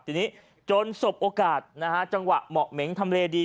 ทีนี้จนสมบโอกาสจังหวะหมอกเหม๋งทำเลดี